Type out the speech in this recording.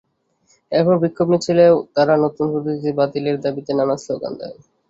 এরপর বিক্ষোভ মিছিলেও তারা নতুন পদ্ধতি বাতিলের দাবিতে নানা স্লোগান দেয়।